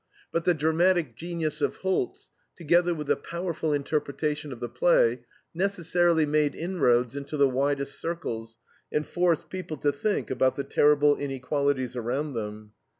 But the dramatic genius of Holz, together with the powerful interpretation of the play, necessarily made inroads into the widest circles, and forced people to think about the terrible inequalities around them.